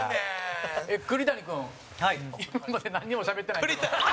栗谷君、今までなんにもしゃべってないけど。